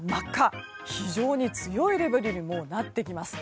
もう非常に強いレベルになってきます。